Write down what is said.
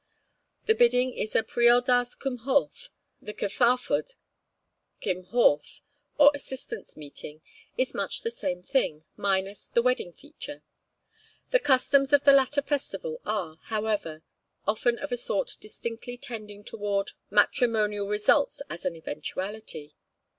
The Bidding is a Priodas Cymmhorth; the Cyfarfod Cymmhorth, or Assistance Meeting, is much the same thing, minus the wedding feature. The customs of the latter festival are, however, often of a sort distinctly tending toward matrimonial results as an eventuality.